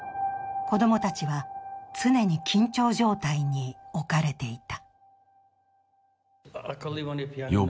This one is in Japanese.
子供たちは常に緊張状態に置かれていた。